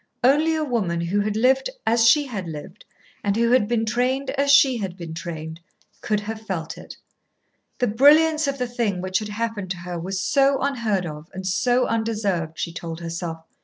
Only a woman who had lived as she had lived and who had been trained as she had been trained could have felt it. The brilliance of the thing which had happened to her was so unheard of and so undeserved, she told herself.